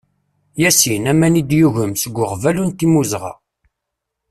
Yasin, aman i d-yugem, seg uɣbalu n timuzɣa.